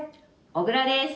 小椋です。